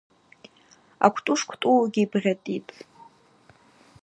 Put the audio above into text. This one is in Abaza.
Аквтӏу шквтӏуугьи йбгъьатӏитӏ.